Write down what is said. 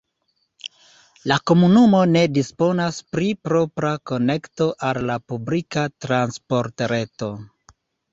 La komunumo ne disponas pri propra konekto al la publika transportreto.